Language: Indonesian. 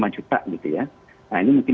lima juta gitu ya nah ini mungkin